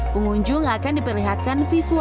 pengunjung akan diperlihatkan dengan karya yang berbeda